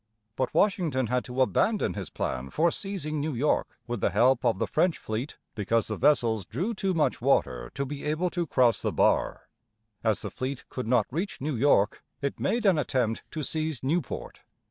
But Washington had to abandon his plan for seizing New York with the help of the French fleet, because the vessels drew too much water to be able to cross the bar. As the fleet could not reach New York, it made an attempt to seize Newport.